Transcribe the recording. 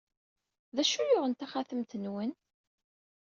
D acu i yuɣen taxatemt-nwen?